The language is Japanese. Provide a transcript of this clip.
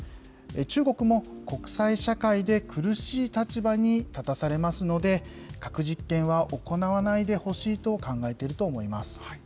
中国も国際社会で苦しい立場に立たされますので、核実験は行わないでほしいと考えていると思います。